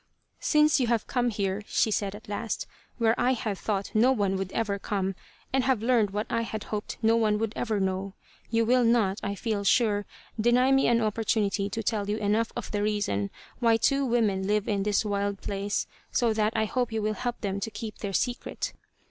"Since you have come here," she said at last, "where I had thought no one would ever come, and have learned what I had hoped no one would ever know, you will not, I feel sure, deny me an opportunity to tell you enough of the reason why two women live in this wild place, so that I hope you will help them to keep their secret.